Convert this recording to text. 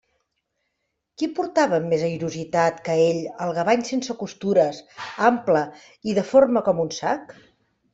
Qui portava amb més airositat que ell el gavany sense costures, ample i deforme com un sac?